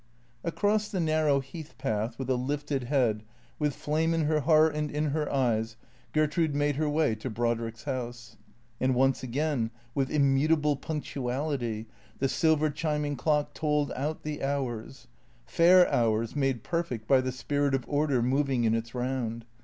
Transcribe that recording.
Across the narrow heath path, with a lifted head, with flame in her heart and in her eyes, Gertrude made her way to Brod riek's house. And once again, with immutable punctuality, the silver chiming clock told out the hours; fair hours made perfect by the spirit of order moving in its round.